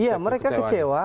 iya mereka kecewa